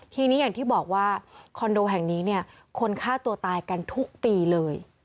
ทีนี้อย่างที่บอกว่าคอนโดแห่งนี้เนี่ยคนฆ่าตัวตายกันทุกปีเลย